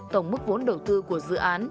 tổng mức vốn đầu tư của dự án